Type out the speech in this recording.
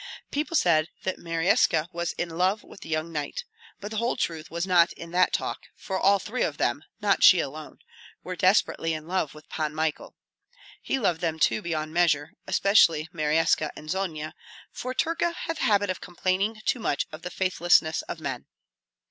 People said that Maryska was in love with the young knight; but the whole truth was not in that talk, for all three of them, not she alone, were desperately in love with Pan Michael. He loved them too beyond measure, especially Maryska and Zonia, for Terka had the habit of complaining too much of the faithlessness of men.